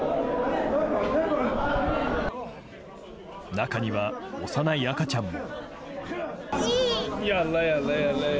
中には、幼い赤ちゃんも。